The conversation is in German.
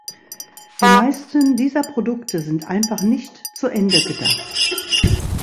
Die meisten dieser Produkte sind einfach nicht zu Ende gedacht.